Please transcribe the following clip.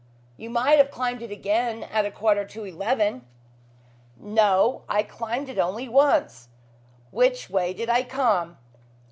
"You might have climbed it again at a quarter to eleven." "No! I climbed it only once. Which way did I come?"